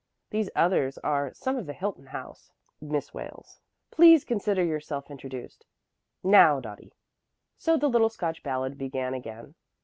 These others are some of the Hilton House, Miss Wales. Please consider yourselves introduced. Now, Dottie." So the little Scotch ballad began again.